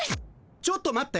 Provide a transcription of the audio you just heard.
ちょっと待って。